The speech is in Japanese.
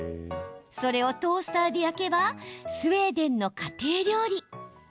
それをトースターで焼けばスウェーデンの家庭料理。